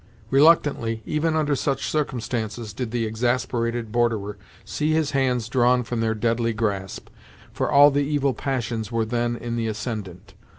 Reluctantly, even under such circumstances, did the exasperated borderer see his hands drawn from their deadly grasp, for all the evil passions were then in the ascendant.